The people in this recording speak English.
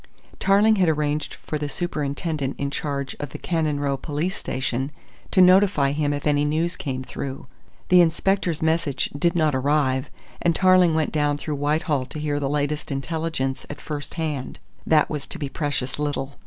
Tarling had arranged for the superintendent in charge of the Cannon Row Police Station to notify him if any news came through. The inspector's message did not arrive, and Tarling went down through Whitehall to hear the latest intelligence at first hand. That was to be precious little.